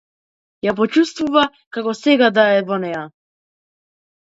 Ја почувствува како сега да е во неа.